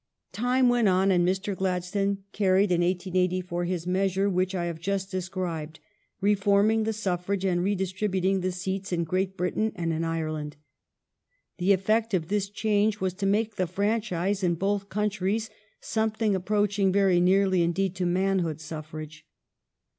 Time went on, and Mr. Gladstone carried in 1884 his measure which I have just described, reforming the suffrage and redistributing the seats in Great Britain and in Ireland. The effect of this change was to make the franchise in both countries something approaching very nearly in deed to manhood suffrage.